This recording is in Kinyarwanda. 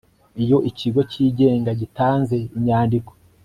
iyo ikigo cyigenga gitanze inyandiko